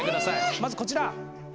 まずこちら！